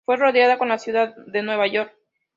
Fue rodada en la ciudad de Nueva York.